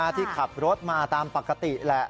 ที่ขับรถมาตามปกติแหละ